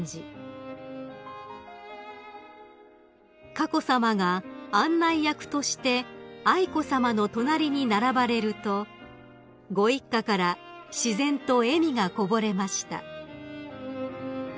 ［佳子さまが案内役として愛子さまの隣に並ばれるとご一家から自然と笑みがこぼれました］